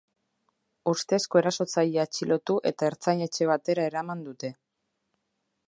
Ustezko erasotzailea atxilotu eta ertzain-etxe batera eraman dute.